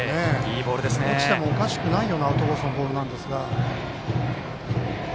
落ちておかしくないようなアウトコースのボールですが。